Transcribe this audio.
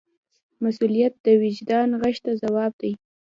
مسؤلیت د وجدان غږ ته ځواب دی.